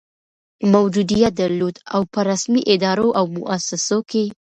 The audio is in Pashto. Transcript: موجودیت درلود، او په رسمي ادارو او مؤسسو کي